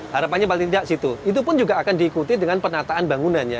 harapannya paling tidak di situ itu pun juga akan diikuti dengan penataan bangunannya